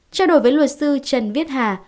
trao đổi với luật sư trần viết hà